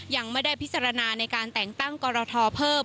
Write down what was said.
ยังไม่ได้พิจารณาในการแต่งตั้งกรทเพิ่ม